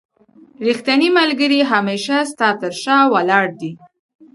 رښتينی ملګری هميشه ستا تر شا ولاړ دی